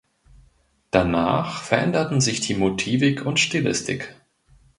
Danach veränderten sich Motivik und Stilistik.